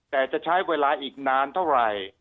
แต่จะใช้เวลาอีกนานเท่าไหร่